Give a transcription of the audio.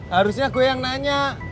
harusnya gue yang nanya